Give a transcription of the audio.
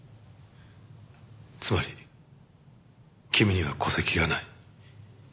つまり君には戸籍がない。